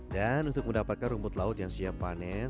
dan untuk mendapatkan rumput laut yang siap panen